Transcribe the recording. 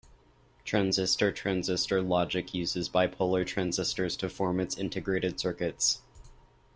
Transistor-transistor logic uses bipolar transistors to form its integrated circuits.